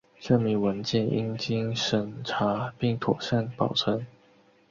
证明文件应经审查并妥善保存